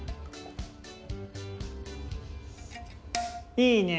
いいね。